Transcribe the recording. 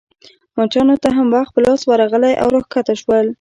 مچانو ته هم وخت په لاس ورغلی او راکښته شول.